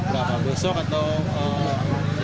berapa besok atau